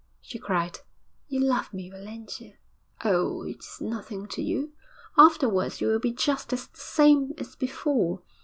she cried. 'You love me, Valentia.' 'Oh, it is nothing to you. Afterwards you will be just the same as before.